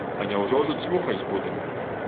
А няўжо ж дзьмухаць буду?